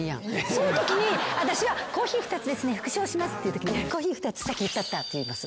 そういうときに私は「コーヒー２つですね復唱します」っていうときに「コーヒー２つ先言ったった」って言います。